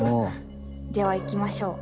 ではいきましょう。